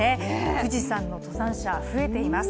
富士山の登山者、増えています。